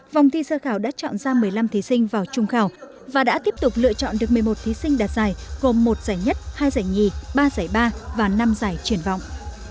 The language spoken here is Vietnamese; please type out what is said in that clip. vòng thi sơ khảo đã chọn ra một mươi năm thí sinh vào trung khảo và đã tiếp tục lựa chọn được một mươi một thí sinh đạt giải gồm một giải nhất hai giải nhì ba giải ba và năm giải triển vọng